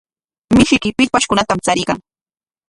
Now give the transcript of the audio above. Mishiyki pillpashkunatam chariykan.